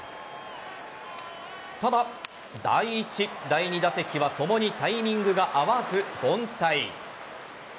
ただ、第１・第２打席は共にタイミングが合わず凡退。